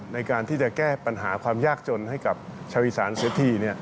ในการที่จะแก้ปัญหาความยากจนให้กับชาวอีสานเสียที